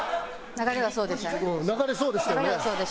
流れはそうでした。